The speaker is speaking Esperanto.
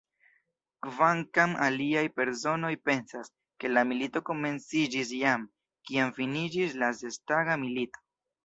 Kvankam aliaj personoj pensas, ke la milito komenciĝis jam, kiam finiĝis la Sestaga Milito.